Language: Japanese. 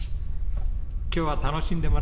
今日は楽しんでもらえましたか？